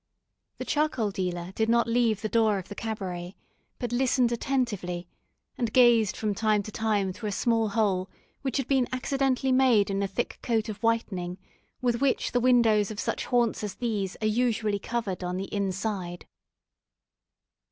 The charcoal dealer did not leave the door of the cabaret, but listened attentively, and gazed from time to time through a small hole which had been accidentally made in the thick coat of whitening, with which the windows of such haunts as these are usually covered on the inside.